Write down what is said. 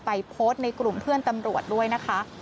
โพสต์ในกลุ่มเพื่อนตำรวจด้วยนะคะ